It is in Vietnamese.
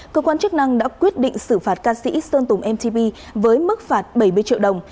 cơ quan chức năng đã quyết định xử phạt ca sĩ sơn tùng mtb với mức phạt bảy mươi triệu đồng